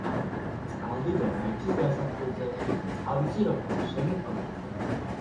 წყალდიდობა იცის გაზაფხულზე, წყალმცირობა შემოდგომაზე.